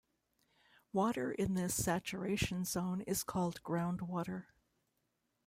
Water in this saturation zone is called groundwater.